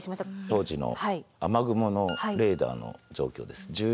当時の雨雲のレーダーの状況です。